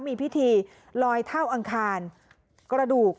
มีพิธีลอยเท่าอังคารกระดูก